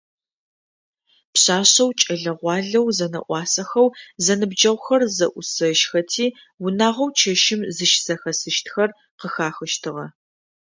Пшъашъэу, кӏэлэ-гъуалэу зэнэӏуасэхэу зэныбджэгъухэр зэусэжьхэти, унагъоу чэщым зыщызэхэсыщтхэр къыхахыщтыгъэ.